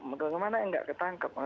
bagaimana yang nggak ketangkep